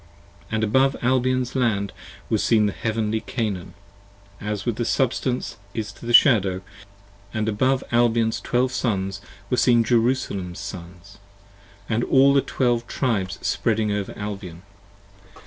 71 AND above Albion's Land was seen the Heavenly Canaan, As the Substance is to the Shadow : and above Albion's Twelve Sons Were seen Jerusalem's Sons: and all the Twelve Tribes spreading Over Albion.